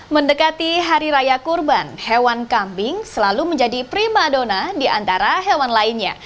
mendekati hari raya kurban hewan kambing selalu menjadi prima dona di antara hewan lainnya